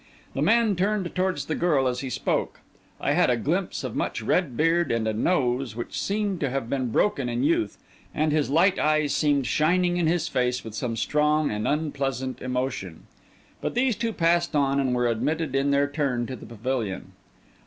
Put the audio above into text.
The man turned towards the girl as he spoke; I had a glimpse of much red beard and a nose which seemed to have been broken in youth; and his light eyes seemed shining in his face with some strong and unpleasant emotion. But these two passed on and were admitted in their turn to the pavilion.